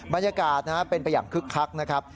บรรยากาศเป็นไปอย่างคึกคักนะครับ